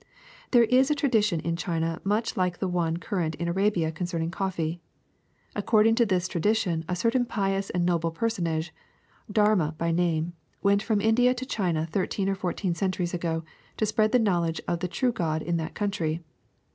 *^ There is a tradition in China much like the one current in Arabia concerning coffee. According to this tradition, a certain pious and noble personage, Dharma by name, went from India to China thirteen or fourteen centuries ago to spread the knowledge of the true God in that country.